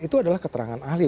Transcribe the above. itu adalah keterangan ahli